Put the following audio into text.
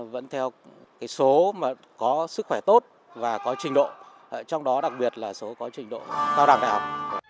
vẫn theo số có sức khỏe tốt và có trình độ trong đó đặc biệt là số có trình độ cao đẳng đại học